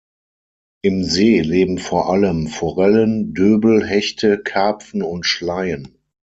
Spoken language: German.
Im See leben vor allem Forellen, Döbel, Hechte, Karpfen und Schleien.